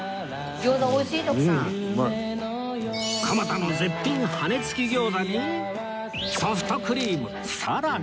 蒲田の絶品羽根付き餃子にソフトクリームさらに